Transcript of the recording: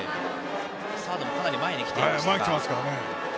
サードもかなり前に来ていました。